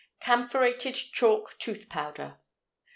CAMPHORATED CHALK TOOTH POWDER.